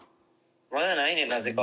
「まだないねんなぜか」